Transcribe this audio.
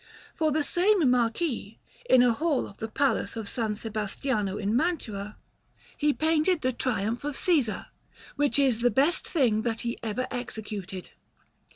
For the same Marquis, in a hall of the Palace of S. Sebastiano in Mantua, he painted the Triumph of Cæsar, which is the best thing that he ever executed.